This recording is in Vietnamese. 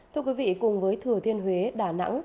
thưa quý vị cùng với thừa thiên huế đà nẵng